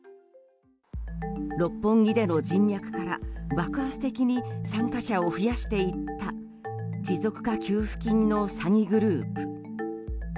六本木での人脈から爆発的に参加者を増やしていった持続化給付金の詐欺グループ。